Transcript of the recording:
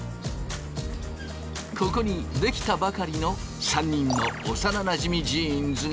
ここに出来たばかりの３人の幼なじみジーンズがいた。